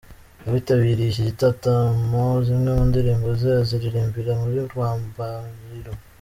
abitabiriye iki gitatamo zimwe mu ndirimbo ze aziririmbira muri rwambariro,